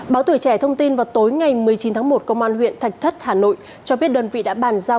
báo tuổi trẻ thông tin vào tối ngày một mươi chín tháng một công an huyện thạch thất hà nội cho biết đơn vị đã bàn giao